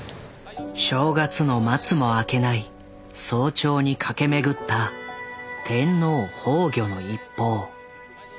正月の松も明けない早朝に駆け巡った「天皇崩御」の一報。